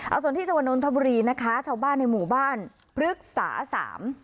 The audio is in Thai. เอาส่วนที่จัวร์นุ้นถบุรีชาวบ้านในหมู่บ้านพฤศาสาม